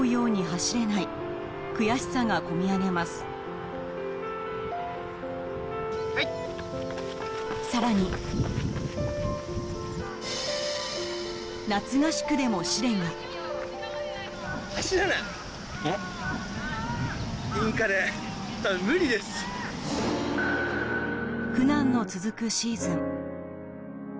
・はい・さらに夏合宿でも試練が苦難の続くシーズン